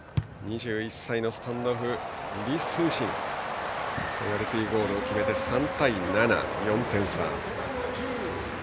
２１歳のスタンドオフ李承信ペナルティーゴールを決めて３対７と、４点差。